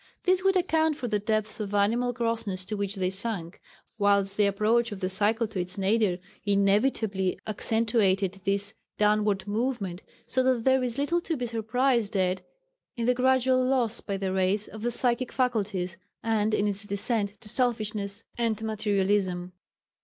This would account for the depths of animal grossness to which they sank, whilst the approach of the cycle to its nadir inevitably accentuated this downward movement, so that there is little to be surprised at in the gradual loss by the race of the psychic faculties, and in its descent to selfishness and materialism.